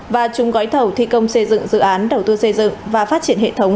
và chung gói thầu thi công xây dựng dự án đầu tư xây dựng và phát triển hệ thống